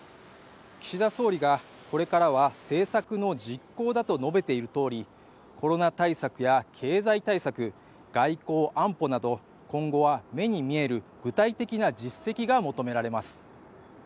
岸田総理がこれからは政策の実行だと述べているとおりコロナ対策や経済対策、外交・安保など今後は目に見える具体的な実績が求められます。